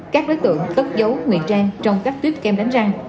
các đối tượng tất dấu nguyện trang trong các tuyết kem đánh răng